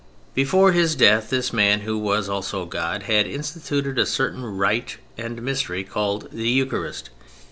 Before His death this Man Who was also God had instituted a certain rite and Mystery called the Eucharist.